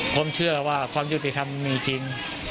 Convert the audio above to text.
ผมเชื่อว่าการยุติธรรมนี้ก็จริง